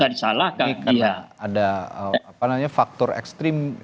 karena ada faktor ekstrim